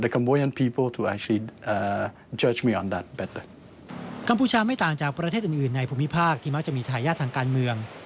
กัมพูชาไม่ต่างจากประเทศอื่นในภูมิภาคที่มักจะมีทายาททางการเมือง